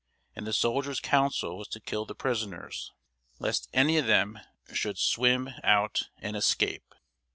And the soldiers' counsel was to kill the prisoners, lest any of them should swim out, and escape.